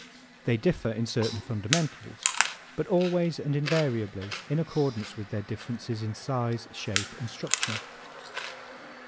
They differ in certain fundamentals but always and invariably in accordance with their differences in size, shape and structure.